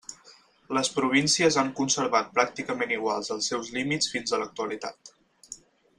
Les províncies han conservat pràcticament iguals els seus límits fins a l'actualitat.